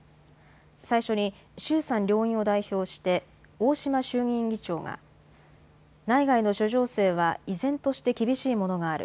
最初に衆参両院を代表して大島衆議院議長が、内外の諸情勢は依然として厳しいものがある。